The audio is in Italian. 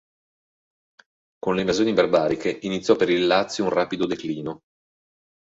Con le invasioni barbariche iniziò per il Lazio un rapido declino.